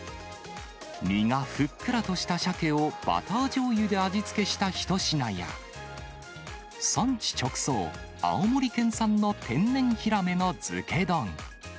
身がふっくらとしたシャケをバターじょうゆで味付けした一品や、産地直送、青森県産の天然ヒラメの漬け丼。